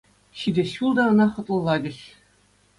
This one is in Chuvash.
Ҫитес ҫул та ӑна хӑтлӑлатӗҫ.